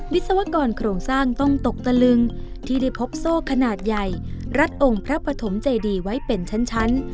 ศวกรโครงสร้างต้องตกตะลึงที่ได้พบโซ่ขนาดใหญ่รัดองค์พระปฐมเจดีไว้เป็นชั้น